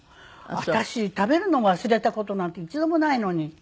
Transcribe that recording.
私食べるのを忘れた事なんて一度もないのに。